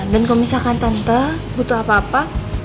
dan kalo misalkan tante butuh apa apa